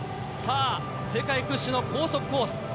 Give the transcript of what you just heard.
さあ、世界屈指の高速コース